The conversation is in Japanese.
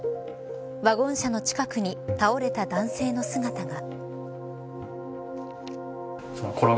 ワゴン車の近くに倒れた男性の姿が。